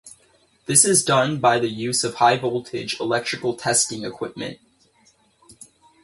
This is done by the use of high voltage electrical testing equipment.